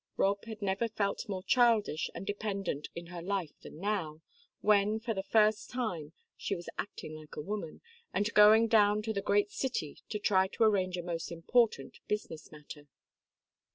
Rob had never felt more childish and dependent in her life than now, when, for the first time, she was acting like a woman, and going down to the great city to try to arrange a most important business matter.